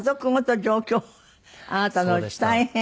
あなたのおうち大変。